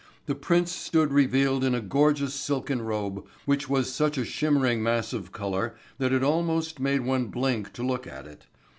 The prince stood revealed in a gorgeous silken robe which was such a shimmering mass of color that it almost made one blink to look at it.